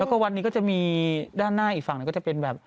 แล้วก็วัดนี้ก็จะมีด้านหน้าอีกฝั่งหนึ่งก็จะเป็นแบบ